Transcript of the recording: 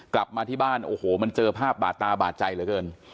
กลับมาที่บ้านโอ้โหมันเจอภาพบาดตาบาดใจเหลือเกิน